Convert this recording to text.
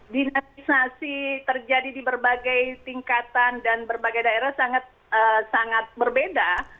dinamisasi terjadi di berbagai tingkatan dan berbagai daerah sangat berbeda